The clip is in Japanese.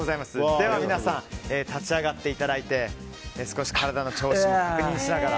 では皆さん、立ち上がって少し体の調子も確認しながら。